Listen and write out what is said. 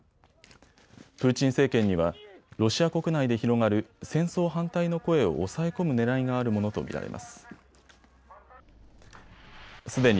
プーチン政権にはロシア国内で広がる戦争反対の声を押さえ込むねらいがあるものと見られます。